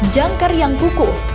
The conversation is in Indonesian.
jangkar yang kuku